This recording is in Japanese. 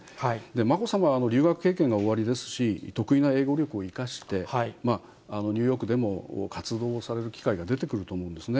まこさまは留学経験がおありですし、得意な英語力を生かして、ニューヨークでも活動される機会が出てくると思うんですね。